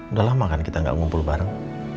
udah lama kan kita gak ngumpul bareng